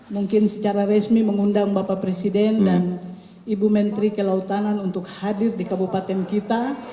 mungkin secara resmi mengundang bapak presiden dan ibu menteri kelautan untuk hadir di kabupaten kita